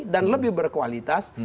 dan lebih berkualitas